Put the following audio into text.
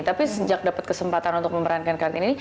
tapi sejak dapat kesempatan untuk memerankan kartini